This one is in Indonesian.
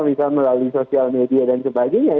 misalnya melalui sosial media jadi itu adalah hal yang